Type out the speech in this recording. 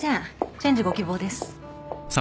チェンジご希望です。